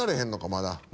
まだ。